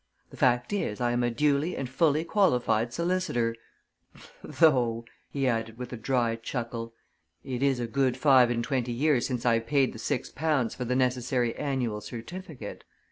The fact is, I am a duly and fully qualified solicitor though," he added, with a dry chuckle, "it is a good five and twenty years since I paid the six pounds for the necessary annual certificate.